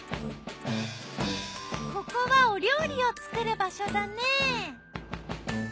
ここはお料理を作る場所だね。